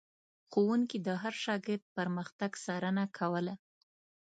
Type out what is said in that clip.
ښوونکي د هر شاګرد پرمختګ څارنه کوله.